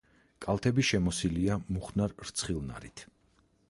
კალთები შემოსილია მუხნარ-რცხილნარით.